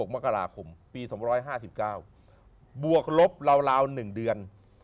มกราคมปี๒๕๙บวกลบราว๑เดือน